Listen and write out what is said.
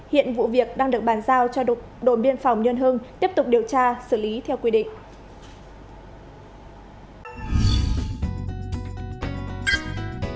hiện vụ việc đang được bàn giao cho đồn biên phòng nhân hưng tiếp tục điều tra xử lý theo quy định